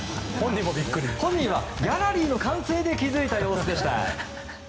本人はギャラリーの歓声で気づいた様子でした。